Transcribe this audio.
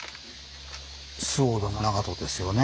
周防と長門ですよね。